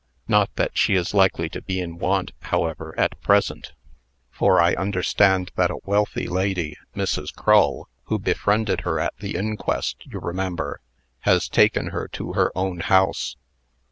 Not that she is likely to be in want, however, at present, for I understand that a wealthy lady, Mrs. Crull, who befriended her at the inquest, you remember, has taken her to her own house."